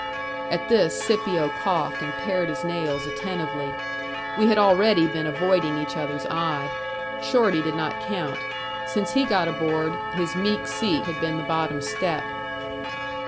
At this Scipio coughed, and pared his nails attentively. We had already been avoiding each other's eye. Shorty did not count. Since he got aboard, his meek seat had been the bottom step.